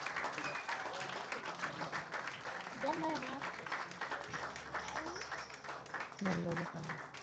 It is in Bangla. মানলাম তোমাকে অপমান করার সময় তুমি কোনো প্রতিক্রিয়া দেখাওনি।